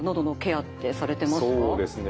そうですね